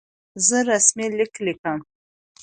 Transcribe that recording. زه رسمي لیک لیکم.